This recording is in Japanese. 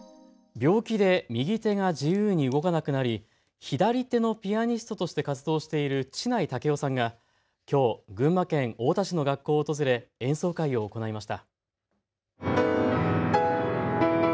病気で右手が自由に動かなくなり左手のピアニストとして活動している智内威雄さんがきょう群馬県太田市の学校を訪れ演奏会を行いました。